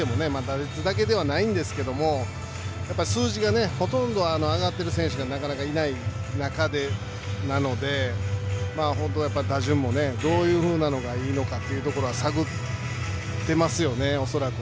打率だけではないんですけども数字がほとんど上がっている選手がなかなかいない中なので本当に打順もどういうふうなのがいいのかというところは探っていますよね、恐らく。